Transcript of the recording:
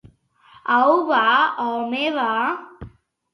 Au, va, home, va